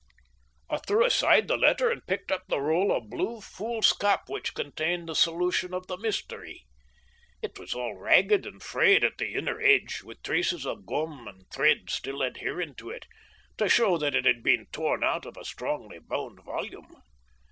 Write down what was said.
I threw aside the letter and picked up the roll of blue foolscap which contained the solution of the mystery. It was all ragged and frayed at the inner edge, with traces of gum and thread still adhering to it, to show that it had been torn out of a strongly bound volume.